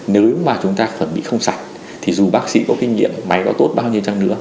nếu mà chúng ta chuẩn bị không sạch thì dù bác sĩ có kinh nghiệm máy có tốt bao nhiêu trang nữa